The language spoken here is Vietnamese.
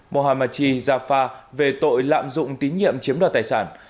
mohamadji jaffa về tội lạm dụng tín nhiệm chiếm đoạt tài sản